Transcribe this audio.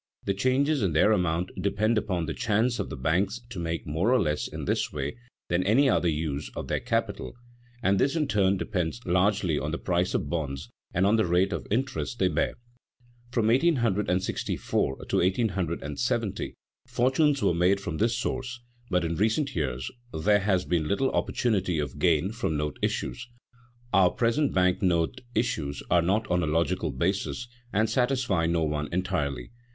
The changes in their amount depend upon the chance of the banks to make more or less in this way than by any other use of their capital, and this in turn depends largely on the price of bonds and on the rate of interest they bear. From 1864 to 1870, fortunes were made from this source, but in recent years there has been little opportunity of gain from note issues. Our present bank note issues are not on a logical basis, and satisfy no one entirely.